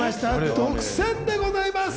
独占でございます。